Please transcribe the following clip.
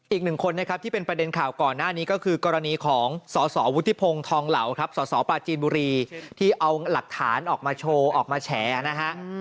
อีกหนึ่งคนนะครับที่เป็นประเด็นข่าวก่อนหน้านี้ก็คือกรณีของสสวุฒิพงศ์ทองเหล่าครับสสปลาจีนบุรีที่เอาหลักฐานออกมาโชว์ออกมาแฉนะฮะ